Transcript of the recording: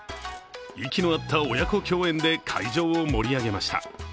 息の合った親子共演で会場を盛り上げました。